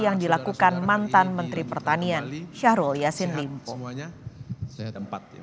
yang dilakukan mantan menteri pertanian syahrul yassin limpo